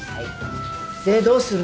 でどうするの？